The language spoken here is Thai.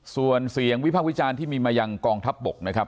ส่วนเสียงวิพากษ์วิจารณ์ที่มีมายังกองทัพบกนะครับ